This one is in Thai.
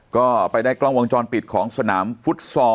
ก็ไปได้กล้องวงจรปิดของสนามฟุตซอล